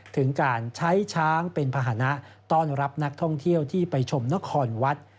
ถึงการใช้ช้างเป็นภาษณะต้อนรับนักท่องเที่ยวที่ไปชมนครวัด